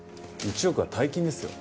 １億は大金ですよ。